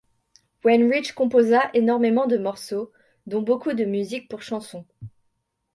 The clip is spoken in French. Wenrich composa énormément de morceaux, dont beaucoup de musique pour chansons.